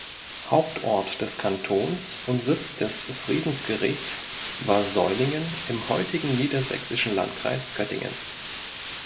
Hauptort des Kantons und Sitz des Friedensgerichts war Seulingen im heutigen niedersächsischen Landkreis Göttingen.